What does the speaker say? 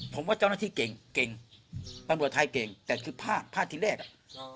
ผมว่าเจ้าหน้าที่เก่งเก่งตำรวจไทยเก่งแต่คือพลาดพลาดที่แรกอ่ะ